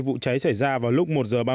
vụ cháy xảy ra vào lúc một h ba mươi